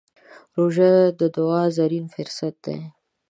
روژه د دعا زرين فرصت دی.